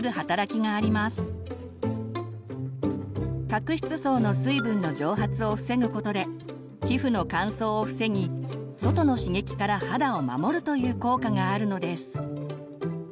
角質層の水分の蒸発を防ぐことで皮膚の乾燥を防ぎ外の刺激から肌を守るという効果があるのです。